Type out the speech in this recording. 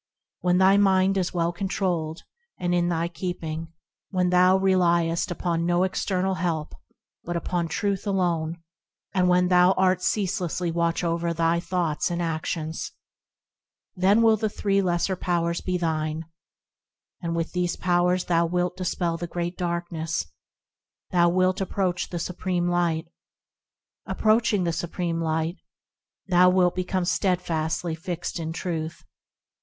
When thy mind is well controlled, and in thy keeping, When thou reliest upon no external help, but upon Truth alone, And when thou art ceaselessly watchful over thy thoughts and actions– Then will the three lesser powers be thine, And with these powers thou wilt dispel the Great Darkness, Thou wilt approach the Supreme Light ; Approaching the Supreme Light, thou wilt become steadfastly fixed in Truth.